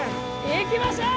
いきましょう！